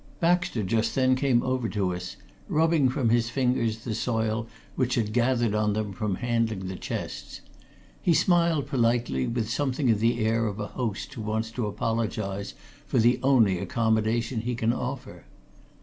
Baxter just then came over to us, rubbing from his fingers the soil which had gathered on them from handling the chests. He smiled politely, with something of the air of a host who wants to apologise for the only accommodation he can offer.